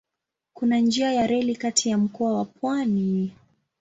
Kuna njia ya reli kati ya mkoa na pwani.